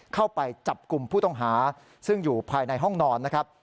เข้าไปจับกลุ่มผู้ต้องหาซึ่งอยู่ภายในห้องนอนนะครับ